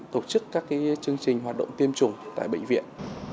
tổ chức các chương trình hoạt động tiêm chủng tại bệnh viện